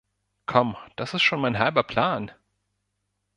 Komm, das ist schon mein halber Plan!